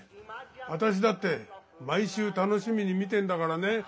私だって毎週楽しみに見てんだからね。